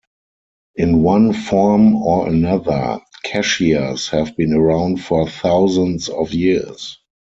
In one form or another, cashiers have been around for thousands of years.